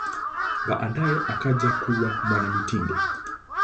Baadaye akaja kuwa mwanamitindo.